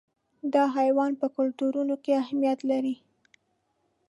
دا حیوان په کلتورونو کې اهمیت لري.